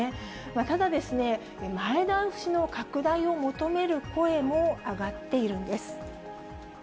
ただ、前倒しの拡大を求める声も上がっているんです。